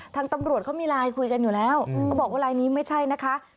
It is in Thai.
ทางตำรวจเขามีไลน์คุยกันอยู่แล้วเขาบอกว่าไลน์นี้ไม่ใช่นะคะ